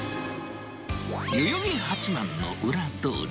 代々木八幡の裏通り。